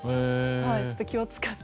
ちょっと気を使って。